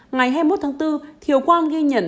ngày hai mươi một tháng bốn thiều quang ghi nhận